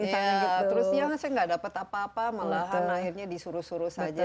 ya terusnya saya nggak dapat apa apa malahan akhirnya disuruh suruh saja